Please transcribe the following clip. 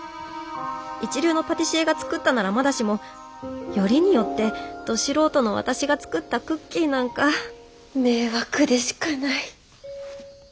一流のパティシエが作ったならまだしもよりによってド素人の私が作ったクッキーなんか迷惑でしかない。